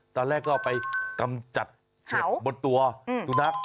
ตอนแรกก็เอาไปกำจัดเห็ดบนตัวสุนัข